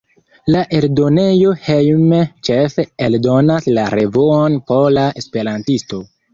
La eldonejo Hejme ĉefe eldonas la revuon Pola Esperantisto.